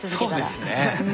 そうですね。